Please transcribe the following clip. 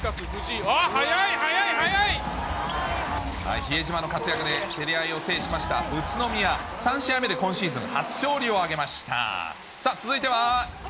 比江島の活躍で、競り合いを制しました宇都宮、３試合目で今シーズン初勝利を挙げました。